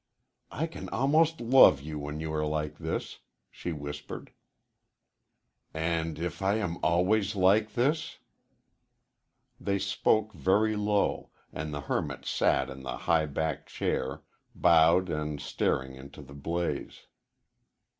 "I can almost love you when you are like this," she whispered. "And if I am always like this ?" They spoke very low, and the hermit sat in the high back chair, bowed and staring into the blaze.